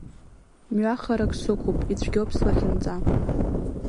Мҩа харак сықәуп, ицәгьоуп слахьынҵа.